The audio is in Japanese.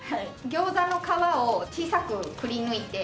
餃子の皮を小さくくりぬいて。